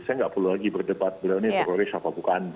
saya nggak perlu lagi berdebat beliau ini teroris apa bukan